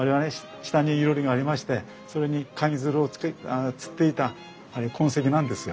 下に囲炉裏がありましてそれにかぎ蔓をつっていた痕跡なんですよ。